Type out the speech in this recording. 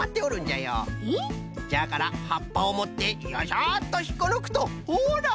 じゃからはっぱをもってよいしょっとひっこぬくとほら！